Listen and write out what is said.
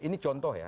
ini contoh ya